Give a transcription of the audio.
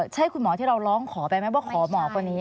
ใช่คุณหมอที่เราร้องขอไปไหมว่าขอหมอคนนี้